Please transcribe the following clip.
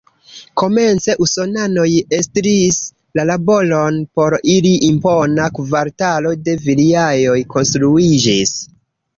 Komence usonanoj estris la laboron, por ili impona kvartalo de vilaoj konstruiĝis.